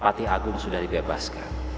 patih agung sudah dibebaskan